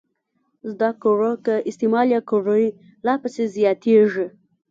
زده کړه که استعمال یې کړئ لا پسې زیاتېږي.